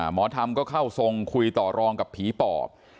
หมอธรรมก็เข้าทรงคุยต่อรองกับผีปอบ